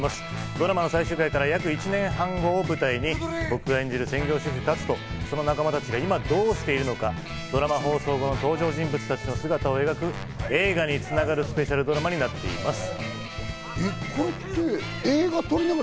ドラマの最終回からおよそ１年半後を舞台に僕が演じる専業主夫・龍とその仲間たちが今、どうしているのか、ドラマ放送後の登場人物たちの姿を６本のスペシャルドラマで描いています。